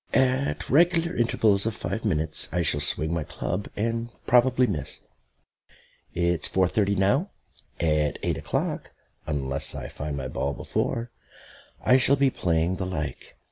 At regular intervals of five minutes I shall swing my club and probably miss. It's four thirty now; at eight o'clock, unless I find my ball before, I shall be playing the like.